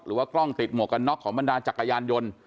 กล้องติดหมวกกันน็อกของบรรดาจักรยานยนต์